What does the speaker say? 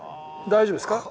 大丈夫ですか？